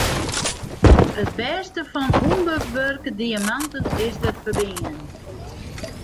It besit fan ûnbewurke diamanten is dêr ferbean.